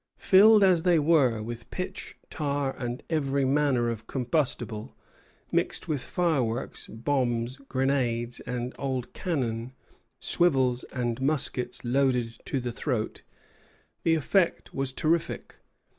Filled as they were with pitch, tar, and every manner of combustible, mixed with fireworks, bombs, grenades, and old cannon, swivels, and muskets loaded to the throat, the effect was terrific.